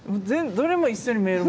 どれも同じに見える。